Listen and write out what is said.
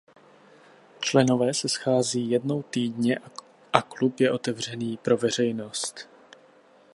Členové se schází jednou týdně a klub je otevřený pro veřejnost.